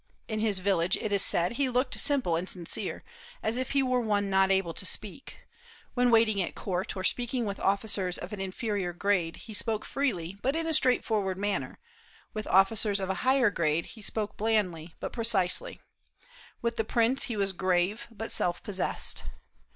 In his village, it is said, he looked simple and sincere, as if he were one not able to speak; when waiting at court, or speaking with officers of an inferior grade, he spoke freely, but in a straightforward manner; with officers of a higher, grade he spoke blandly, but precisely; with the prince he was grave, but self possessed.